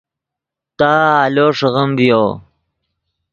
تا آلو ݰیغیم ڤیو